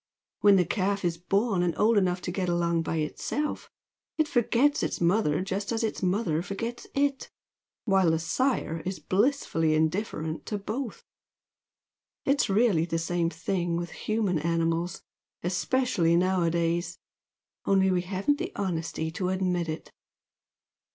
When the calf is born and old enough to get along by itself, it forgets its mother just as its mother forgets IT, while the sire is blissfully indifferent to both! It's really the same thing with human animals, especially nowadays only we haven't the honesty to admit it!